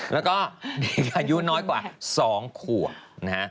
แล้วก็นิดหนึ่งอายุน้อยกว่า๒ขวบ